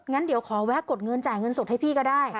งั้นเดี๋ยวขอแวะกดเงินจ่ายเงินสดให้พี่ก็ได้